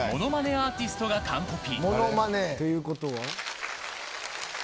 アーティストが完コピ。